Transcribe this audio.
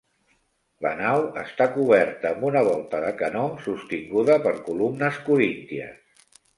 La nau està coberta amb una volta de canó sostinguda per columnes corínties.